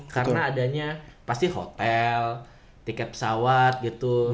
karena adanya pasti hotel tiket pesawat gitu